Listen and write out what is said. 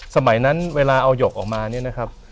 สมัยนั้นเวลาเอาหยกออกมาเนี่ยนะครับ